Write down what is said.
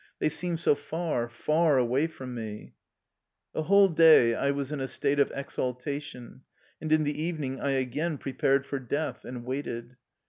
They seemed so far, far away from me. The whole day I was in a state of exaltation, and in the evening I again prepared for death, and waited.